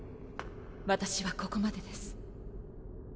私はここまでです。